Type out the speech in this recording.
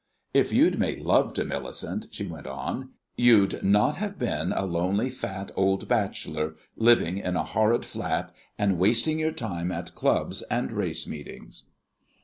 "If you'd made love to Millicent," she went on, "you'd not have been a lonely fat old bachelor, living in a horrid flat, and wasting your time at clubs and race meetings."